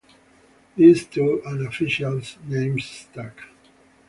These two unofficial names stuck.